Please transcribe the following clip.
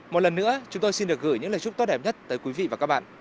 một lần nữa chúng tôi xin được gửi những lời chúc tốt đẹp nhất tới quý vị và các bạn